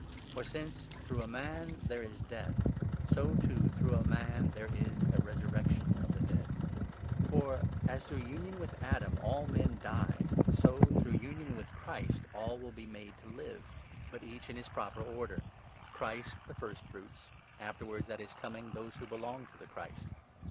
For, since through a man 21 there is death, so, too, through a man there is a resurrection of the dead. For, as through union with Adam all men 22 die, so through union with the Christ will all be made * Hos. 6. a. 328 I. CORINTHIANS, 15. to live. But each in his proper order— Christ the first fruits ; afterwards, at his Coming, those who belong to the Christ.